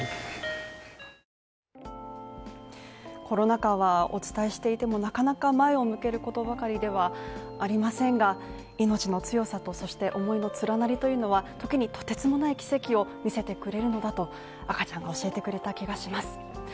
コロナ禍はお伝えしていても、なかなか前を向けることばかりではありませんが命の強さと、そして思いの連なりというのは時にとてつもない奇跡を見せてくれるのだと赤ちゃんが教えてくれた気がします。